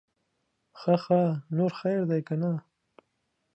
ښه ښه, نور خير دے که نه؟